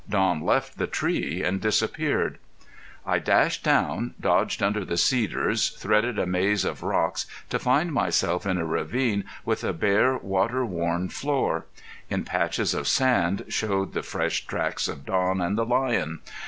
Don left the tree and disappeared. I dashed down, dodged under the cedars, threaded a maze of rocks, to find myself in a ravine with a bare, water worn floor. In patches of sand showed the fresh tracks of Don and the lion.